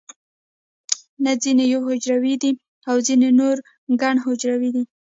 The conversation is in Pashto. نه ځینې یو حجروي دي او ځینې نور ګڼ حجروي دي